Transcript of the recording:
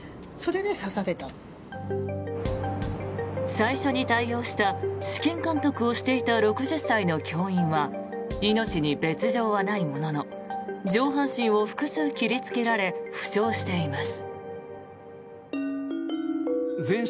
最初に対応した試験監督をしていた６０歳の教員は命に別条はないものの上半身を複数切りつけられ負傷しています。